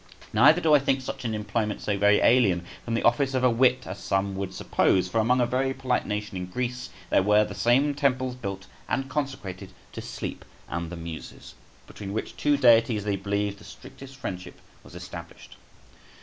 Neither do I think such an employment so very alien from the office of a wit as some would suppose; for among a very polite nation in Greece there were the same temples built and consecrated to Sleep and the Muses, between which two deities they believed the strictest friendship was established.